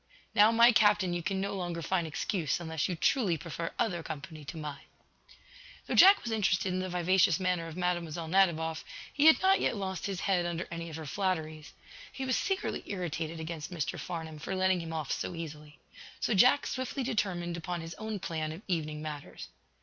"Now, my Captain, you can no longer find excuse, unless you truly prefer other company to mine." Though Jack was interested in the vivacious manner of Mlle. Nadiboff, he had not yet lost his head under any of her flatteries. He was secretly irritated against Mr. Farnum for letting him off so easily. So Jack swiftly determined upon his own plan of evening matters.